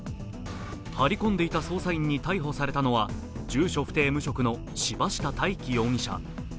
張り込んでいた捜査員に逮捕されたのは住所不定・無職の柴下泰器容疑者。